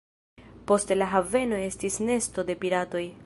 Poste la haveno estis nesto de piratoj.